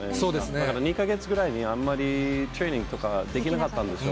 だから２か月ぐらいにあんまりトレーニングとかできなかったんですよ。